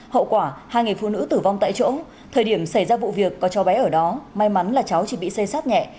hậu quả hai người phụ nữ tử vong tại chỗ thời điểm xảy ra vụ việc có cho bé ở đó may mắn là cháu chỉ bị xây sát nhẹ